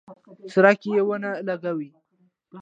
څرک یې ونه لګاوه.